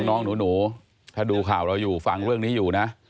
น้องหนูถ้าดูข่าวเราอยู่ฟังเรื่องนี้อยู่นะ